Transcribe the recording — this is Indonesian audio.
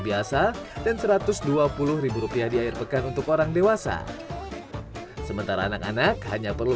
biasa dan satu ratus dua puluh rupiah di air pekan untuk orang dewasa sementara anak anak hanya perlu